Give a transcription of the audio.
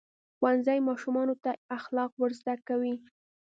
ښوونځی ماشومانو ته اخلاق ورزده کوي.